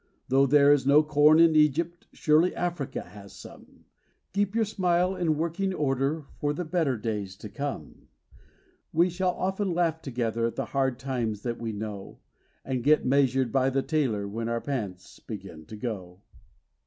Though there is no corn in Egypt, surely Africa has some Keep your smile in working order for the better days to come ! We shall often laugh together at the hard times that we know, And get measured by the tailor when our pants begin to go.